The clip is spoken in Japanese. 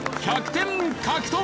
１００点獲得。